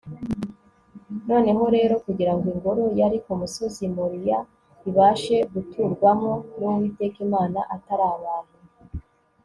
noneho rero kugira ngo ingoro yari ku musozi moriya ibashe guturwamo n'uwiteka imana, atari abantu